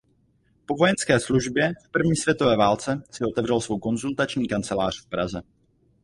Po vojenské službě v první světové válce si otevřel svou konzultační kancelář v Praze.